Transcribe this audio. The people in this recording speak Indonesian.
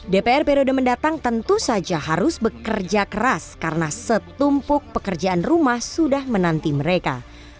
dpr periode mendatang tentu saja harus bekerja keras karena setumpuk pekerjaan rumah sudah menanti mereka